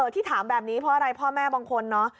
ที่ถามแบบนี้เพราะอะไรพ่อแม่บางคนเนาะ